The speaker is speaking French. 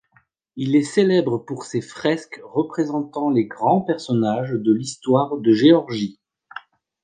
Il est célèbre pour ses fresques représentant les grands personnages de l'histoire de Géorgie.